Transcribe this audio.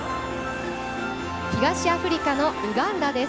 東アフリカのウガンダです。